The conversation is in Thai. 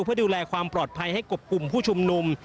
เพื่อดูแลความปลอดภัยให้กบกลุ่มผู้ชุมนุม